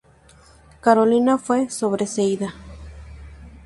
Carolina fue sobreseída.